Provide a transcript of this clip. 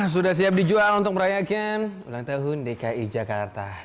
sudah siap dijual untuk merayakan ulang tahun dki jakarta